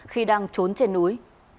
khi đang trốn trên núi